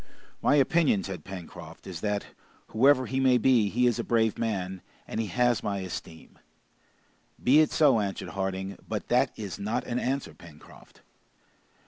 "My opinion," said Pencroft, "is that, whoever he may be, he is a brave man, and he has my esteem!" "Be it so," answered Harding, "but that is not an answer, Pencroft."